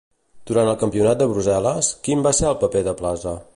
Durant el Campionat de Brussel·les, quin va ser el paper de Plaza?